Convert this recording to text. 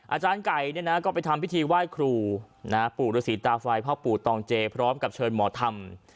อาจารย์ไก่ก็ไปทำพิธีไหว้ครูปู่ฤษีตาไฟพ่อปู่ตองเจพร้อมกับเชิญหมอธรรม